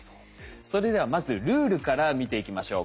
それではまずルールから見ていきましょう。